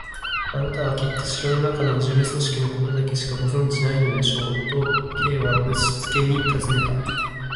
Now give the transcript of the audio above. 「あなたはきっと城のなかの事務組織のことだけしかご存じでないのでしょう？」と、Ｋ はぶしつけにたずねた。